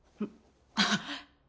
あっ。